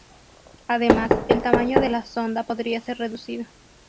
Además, el tamaño de la sonda podría ser reducido.